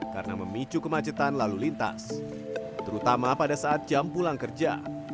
karena memicu kemacetan lalu lintas terutama pada saat jam pulang kerja